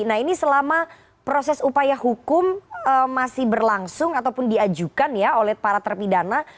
nah ini selama proses upaya hukum masih berlangsung ataupun diajukan ya oleh para terpidana